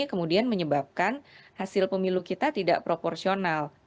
kemudian menyebabkan hasil pemilu kita tidak proporsional